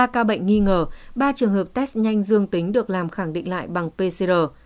ba ca bệnh nghi ngờ ba trường hợp test nhanh dương tính được làm khẳng định lại bằng pcr